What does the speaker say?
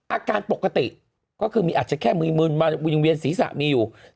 อาการปกติก็คือมีอาจจะแค่มือมาบริเวณศรีสามีอยู่